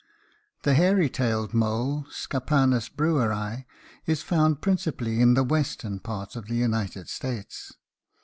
The hairy tailed mole (Scapanus breweri) is found principally in the western part of the United States.